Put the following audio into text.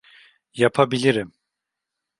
Yapabilirim.